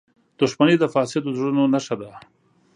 • دښمني د فاسدو زړونو نښه ده.